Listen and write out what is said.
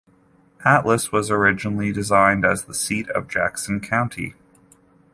Altus was originally designated as the seat of Jackson County.